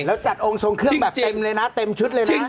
แล้วจัดองค์ทรงเครื่องแบบเต็มเลยนะเต็มชุดเลยนะ